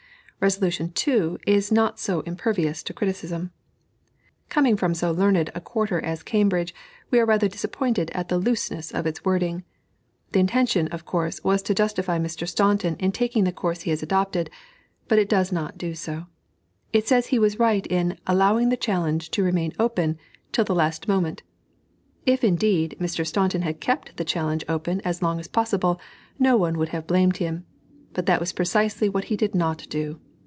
Resolution (2) is not so impervious to criticism. Coming from so learned a quarter as Cambridge, we are rather disappointed at the looseness of its wording. The intention, of course, was to justify Mr. Staunton in taking the course he has adopted, but it does not do so. It says he was right in "allowing the challenge to remain open" till the last moment. If, indeed, Mr. Staunton had kept the challenge open as long as possible no one would have blamed him, but that was precisely what he did not do.